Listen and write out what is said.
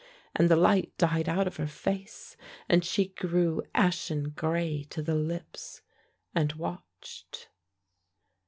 And the light died out of her face, and she grew ashen gray to the lips and watched.